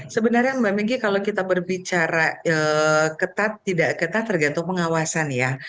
sebenarnya mbak meggy kalau kita berbicara ketat tidak ketat tergantung pengawasan ya